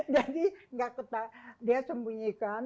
jadi dia sembunyikan